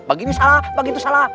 begini salah begitu salah